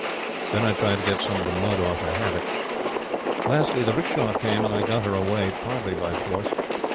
Then I tried to get some of the mud off her habit. Lastly, the 'rickshaw came, and I got her away partly by force.